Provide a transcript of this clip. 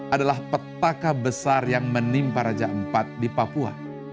adalah petaka besar yang menimpa raja iv di papua